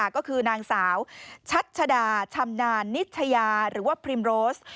ก็คือนางสาวชัชดาชำนาญนิชยาหรือว่าพรีมโรส